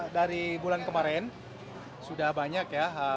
dari bulan kemarin sudah banyak ya